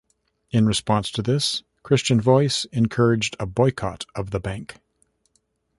In response to this, Christian Voice encouraged a boycott of the bank.